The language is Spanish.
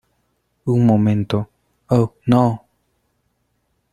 Un momento. ¡ oh, no!